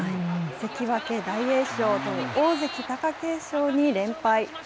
関脇・大栄翔と大関・貴景勝に連敗。